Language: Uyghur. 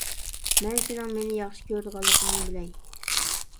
مەن سېنىڭ مېنى ياخشى كۆرىدىغانلىقىڭنى بىلەي.